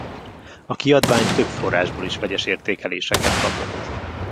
A kiadvány több forrásból is vegyes értékeléseket kapott.